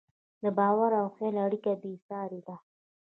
د باور او خیال اړیکه بېساري ده.